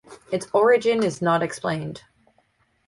Its origin is not explained.